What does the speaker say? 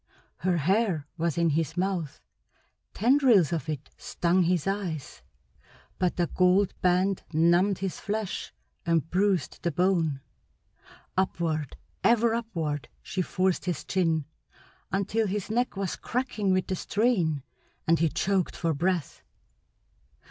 Her hair was in his mouth, tendrils of it stung his eyes, but the gold band numbed his flesh and bruised the bone. Upward, ever upward, she forced his chin until his neck was cracking with the strain and he choked for breath.